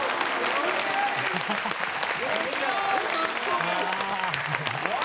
すごいわ！